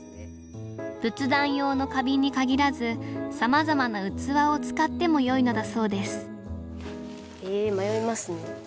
仏壇用の花瓶に限らずさまざまな器を使ってもよいのだそうですえ迷いますね。